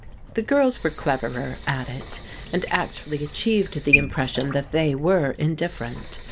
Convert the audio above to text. The girls were cleverer at it, and actually achieved the impression that they were indifferent.